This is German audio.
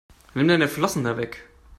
Nimm deine Flossen da weg!